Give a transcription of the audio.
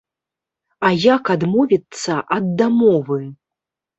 А як адмовіцца ад дамовы?